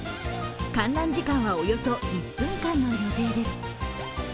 観覧時間は、およそ１分間の予定です。